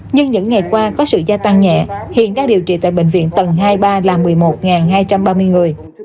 nhưng những ngày qua có sự gia tăng nhẹ hiện đang điều trị tại bệnh viện tầng hai mươi ba là một mươi một hai trăm ba mươi người